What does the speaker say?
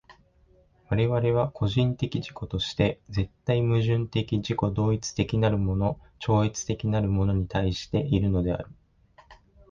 我々は個人的自己として絶対矛盾的自己同一的なるもの超越的なるものに対しているのである。